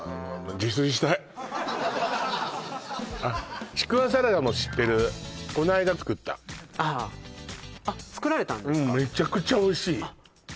自炊したいあっちくわサラダも知ってるこの間作ったあああっ作られたんですか？